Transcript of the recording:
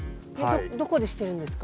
どこでしてるんですか？